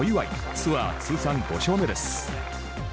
ツアー通算５勝目です。